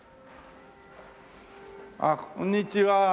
あっこんにちは。